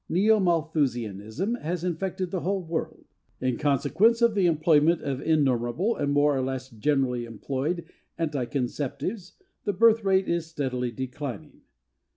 "Neo Malthusianism" has infected the whole world. In consequence of the employment of innumerable and more or less generally employed anti conceptives the birth rate is steadily declining.